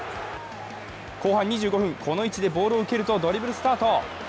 後半２５分、この位置でボールを受けるとドリブルスタート。